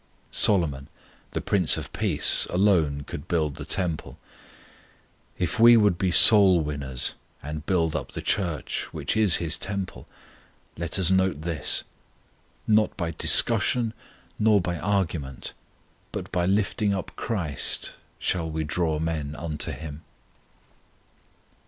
Solomon, the Prince of Peace, alone could build the Temple. If we would be soul winners and build up the Church, which is His Temple, let us note this: not by discussion nor by argument, but by lifting up CHRIST shall we draw men unto Him.